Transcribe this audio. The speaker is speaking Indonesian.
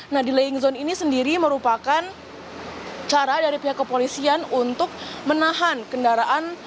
nah delaying zone ini sendiri merupakan cara dari pihak kepolisian untuk menahan kendaraan